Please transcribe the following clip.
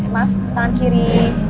mas tangan kiri